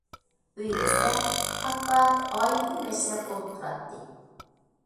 ئۆيىمىزدە پات- پات ئائىلىۋى مەشرەپ بولۇپ تۇراتتى.